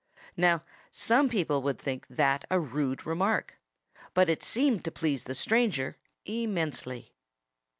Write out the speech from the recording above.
Now, some people would think that a rude remark. But it seemed to please the stranger immensely.